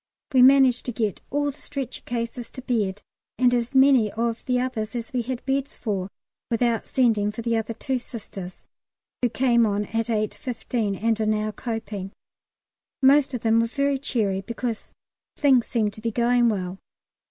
We managed to get all the stretcher cases to bed, and as many of the others as we had beds for, without sending for the other two Sisters, who came on at 8.15, and are now coping. Most of them were very cheery, because things seem to be going well.